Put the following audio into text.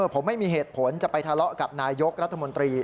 ผมไม่มีเหตุผลจะไปทะเลาะกับนายกรัฐมนตรี